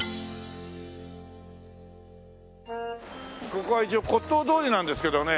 ここは一応骨董通りなんですけどね